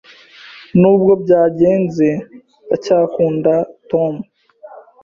Nubwo byagenze, ndacyakunda Tom.